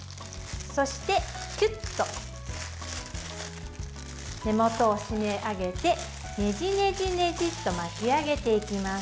そしてキュッと根元を締め上げてねじねじねじっと巻き上げていきます。